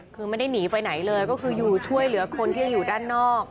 คือไม่ได้หนีไปไหนเลยก็คืออยู่ช่วยเหลือคนที่ยังอยู่ด้านนอก